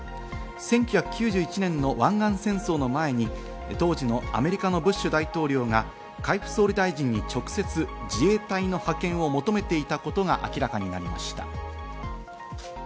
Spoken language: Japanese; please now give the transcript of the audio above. １９９１年の湾岸戦争の前に当時のアメリカのブッシュ大統領が海部総理大臣に直接自衛隊の派遣を求めていたことが明らかになりました。